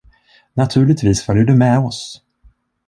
Naturligtvis följer du med oss.